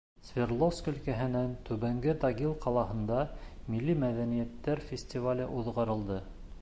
Свердловск өлкәһенең Түбәнге Тагил ҡалаһында Милли мәҙәниәттәр фестивале уҙғарылды.